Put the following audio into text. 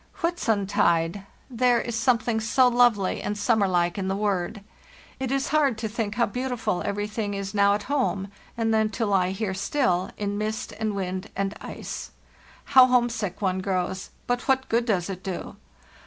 "Whitsuntide! — there is something so lovely and summer like in the word. It is hard to think how beautiful everything is now at home, and then to he here still, in mist and wind and ice. How homesick one grows; but what good does it do?